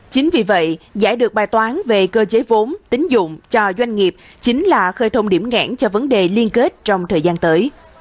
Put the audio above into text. chính vì vậy giải được bài toán về cơ chế vốn tính dụng cho doanh nghiệp chính là khơi thông điểm ngãn cho vấn đề liên kết trong thời gian tới